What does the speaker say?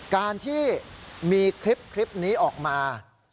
การที่มีคลิปนี้ออกมา